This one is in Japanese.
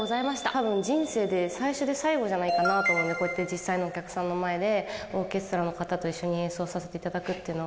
多分人生で最初で最後じゃないかなと思うんでこうやって実際のお客さんの前でオーケストラの方と一緒に演奏させていただくっていうのは。